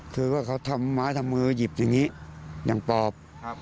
คือว่าเขาทำไม้ทำมือหยิบอย่างนี้อย่างปอบ